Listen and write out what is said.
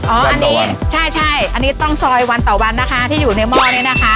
อ๋ออันนี้ใช่ใช่อันนี้ต้องซอยวันต่อวันนะคะที่อยู่ในหม้อนี้นะคะ